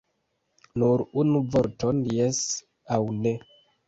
Nur unu vorton jes aŭ ne!